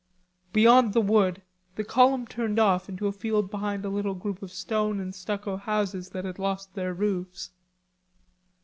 Beyond the wood the column turned off into a field behind a little group of stone and stucco houses that had lost their roofs.